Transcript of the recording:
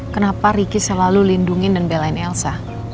kenapa ricky selalu lindungi dan belain elsa